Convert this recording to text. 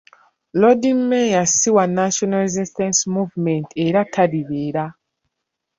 Loodi mmeeya si wa National Resistance Movement era talibeera.